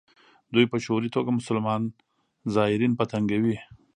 دوی په شعوري توګه مسلمان زایرین په تنګوي.